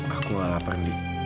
aku gak lapar dik